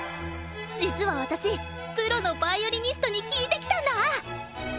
実は私プロのヴァイオリニストに聞いてきたんだ！